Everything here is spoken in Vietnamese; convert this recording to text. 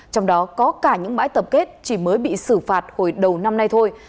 trong đó có cả những bãi tập kết chỉ mới bị xử phạt hồi đầu năm nay thôi